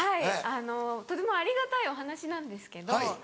はいあのとてもありがたいお話なんですけど。